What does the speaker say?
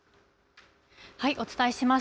お伝えします。